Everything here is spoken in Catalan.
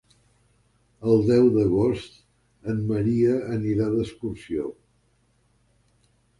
El deu d'agost en Maria anirà d'excursió.